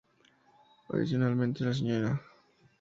Adicionalmente, la Sra.